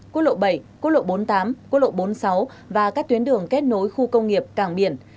quốc lộ bảy quốc lộ bốn mươi tám quốc lộ bốn mươi sáu và các tuyến đường kết nối khu công nghiệp cảng biển